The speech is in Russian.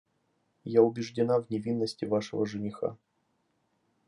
Я убеждена в невинности вашего жениха.